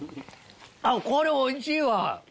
あっこれおいしいわ！